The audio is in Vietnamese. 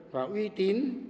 và uy tín